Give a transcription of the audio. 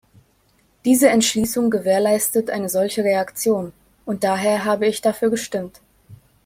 Diese Entschließung gewährleistet eine solche Reaktion, und daher habe ich dafür gestimmt.